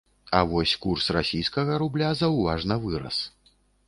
А вось курс расійскага рубля заўважна вырас.